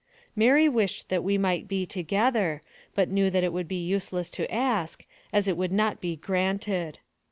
Mary wished that we might be together, but knew that it would be useless to ask, as it would not be granted.